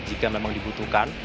jika memang dibutuhkan